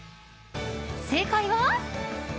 正解は。